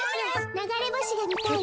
ながれぼしがみたいわ。